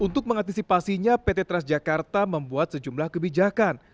untuk mengantisipasinya pt transjakarta membuat sejumlah kebijakan